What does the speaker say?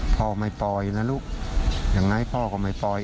พ่อไม่ปล่อยนะลูกยังไงพ่อก็ไม่ปล่อย